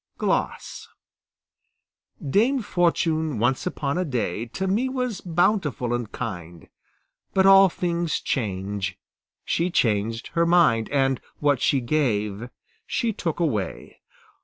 GLOSS Dame Fortune once upon a day To me was bountiful and kind; But all things change; she changed her mind, And what she gave she took away.